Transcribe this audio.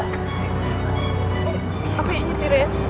aku yang nyetir ya